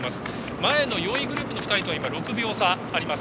前の４位グループの２人とは６秒差あります。